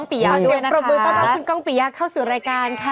เดี๋ยวปรบมือต้อนรับคุณกล้องปี่ยักษ์เข้าสู่รายการค่ะ